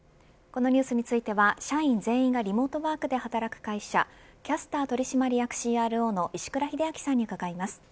このニュースについては社員全員がリモートワークで働く会社キャスター取締役ＣＲＯの石倉秀明さんに伺います。